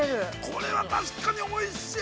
◆これは確かにおいしい。